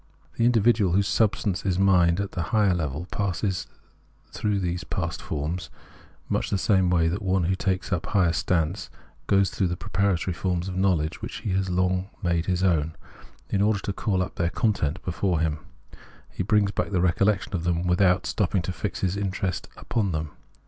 The indi vidual, whose substance is mind at the higher level, passes through these past forms, much in the way that one who takes up a higher science goes through those preparatory forms of Imowledge, which he has long made his own, in order to call up their content before him ; he brings back the recollection of them without stopping to fix his interest upon them.